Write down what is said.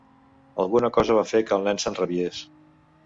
Alguna cosa va fer que el nen s'enrabiés.